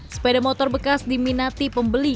sepeda motor bekas diminati pembeli